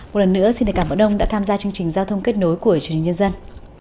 một lần nữa xin cảm ơn ông đã tham gia chương trình giao thông kết nối của truyền hình nhân dân